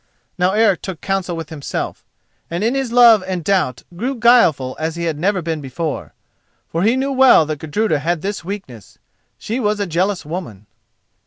Now Eric took counsel with himself, and in his love and doubt grew guileful as he had never been before. For he knew well that Gudruda had this weakness—she was a jealous woman.